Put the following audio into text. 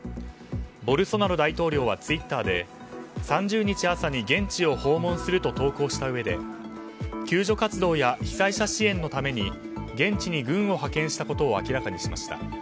ボルソナロ大統領はツイッターで３０日朝に現地を訪問すると投稿したうえで救助活動や被災者支援のために現地に軍を派遣したことを明らかにしました。